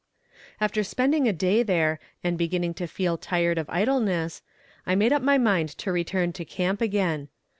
After spending a day there, and beginning to feel tired of idleness, I made up my mind to return to camp again.